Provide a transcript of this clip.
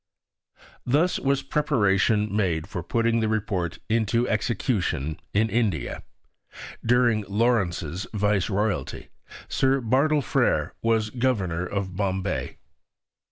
Thus was preparation made for putting the Report into execution in India. During Lawrence's Viceroyalty, Sir Bartle Frere was governor of Bombay.